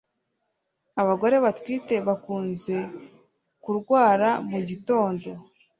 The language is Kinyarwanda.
Abagore batwite bakunze kurwara mugitondo